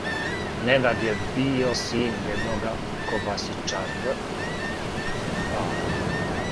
Ненад је био син једнога кобасичар